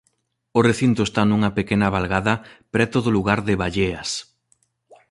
O recinto está nunha pequena valgada preto do lugar de Balleas.